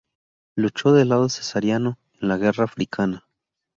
Luchó del lado cesariano en la guerra africana.